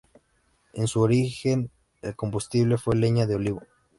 En su origen, el combustible fue leña de olivo.